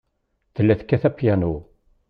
Tella tekkat apyanu.